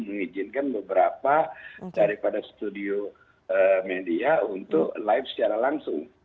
mengizinkan beberapa daripada studio media untuk live secara langsung